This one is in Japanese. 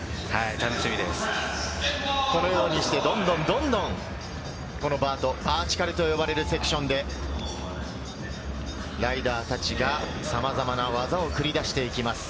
このようにして、どんどんどんどん、このバート、バーチカルと呼ばれるセクションで、ライダーたちが様々な技を繰り出してきます。